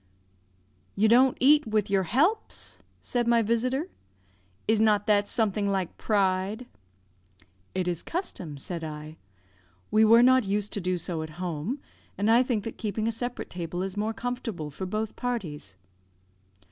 "You don't eat with your helps," said my visitor. "Is not that something like pride?" "It is custom," said I; "we were not used to do so at home, and I think that keeping a separate table is more comfortable for both parties."